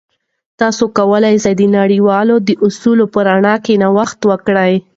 تاسې کولای سئ د انډول د اصولو په رڼا کې نوښت وکړئ.